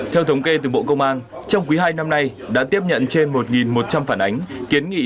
theo thống kê từ bộ công an trong quý hai năm nay đã tiếp nhận trên một một trăm linh phản ánh kiến nghị